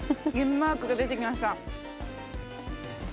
￥マークが出てきました。